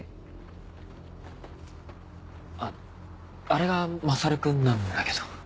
ああれがマサル君なんだけど。